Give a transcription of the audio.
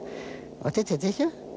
おててでしょう。